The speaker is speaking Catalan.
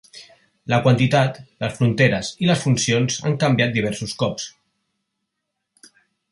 La quantitat, les fronteres i les funcions han canviat diversos cops.